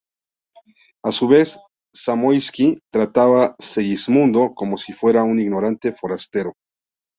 A su vez, Zamoyski, trataba a Segismundo como si fuera un ignorante forastero.